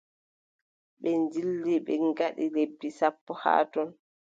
Ɓe ndilli, ɓe ngaɗi lebbi sappo haa ton.